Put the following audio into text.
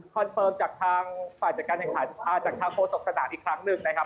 เฟิร์มจากทางฝ่ายจัดการแข่งขันจากทางโฆษกสนามอีกครั้งหนึ่งนะครับ